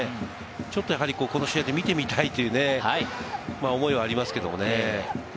ちょっとこの試合で見てみたいという思いはありますけれどもね。